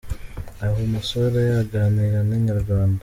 Aha uyu musore aganira na Inyarwanda.